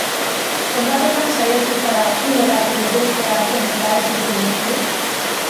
Zenbatetan saiatu zara kilo bat edo beste hartzen eta ez duzu lortu?